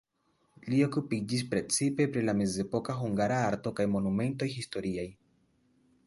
Li okupiĝis precipe pri la mezepoka hungara arto kaj monumentoj historiaj.